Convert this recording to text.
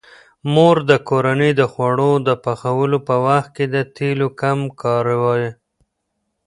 مور د کورنۍ د خوړو د پخولو په وخت د تیلو کم کاروي.